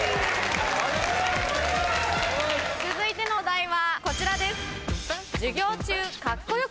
続いてのお題はこちらです。